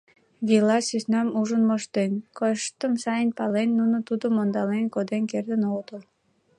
Вийла сӧснам ужын моштен, койышыштым сайын пален, нуно тудым ондален коден кертын огытыл.